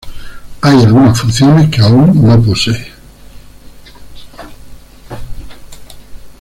Hay algunas funciones que aún no posee.